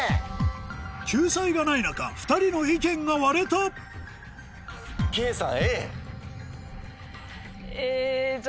救済がない中２人の意見が割れたでも。